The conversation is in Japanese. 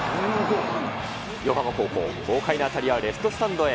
豪快な当たりはレフトスタンドへ。